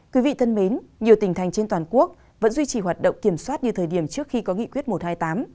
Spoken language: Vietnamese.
quý vị thân mến nhiều tỉnh thành trên toàn quốc vẫn duy trì hoạt động kiểm soát như thời điểm trước khi có nghị quyết mổ thai